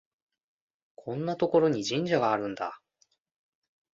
こんなところに神社があるんだ